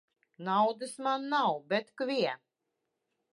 Naudas man nav, bet kvie